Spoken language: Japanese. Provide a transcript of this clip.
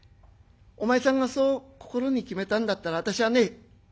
お前さんがそう心に決めたんだったら私はね